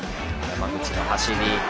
山口の走り